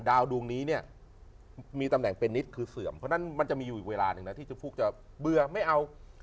ดวงนี้เนี่ยมีตำแหน่งเป็นนิดคือเสื่อมเพราะฉะนั้นมันจะมีอยู่อีกเวลาหนึ่งนะที่เจ้าฟูกจะเบื่อไม่เอา